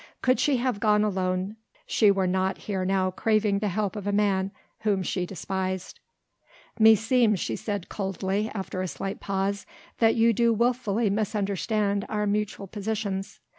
Could she have gone alone she were not here now craving the help of a man whom she despised. "Meseems," she said coldly after a slight pause, "that you do wilfully misunderstand our mutual positions.